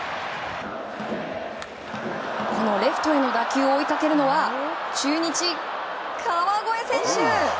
このレフトへの打球を追いかけるのは中日、川越選手。